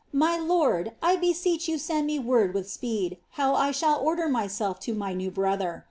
My l(ird, I beseech you sen<l me word with speed how I shall, order myself to my new brother.